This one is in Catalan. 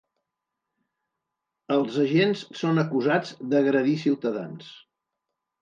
Els agents són acusats d’agredir ciutadans.